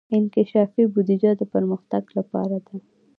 انکشافي بودجه د پرمختګ لپاره ده